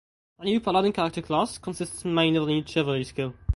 The new Paladin character class consists mainly of the new Chivalry skill.